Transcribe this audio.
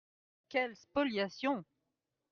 Quelle spoliation !